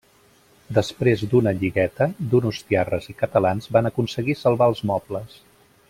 Després d'una lligueta, donostiarres i catalans van aconseguir salvar els mobles.